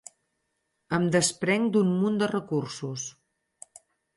Em desprenc d'un munt de recursos.